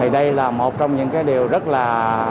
đây là một trong những điều rất là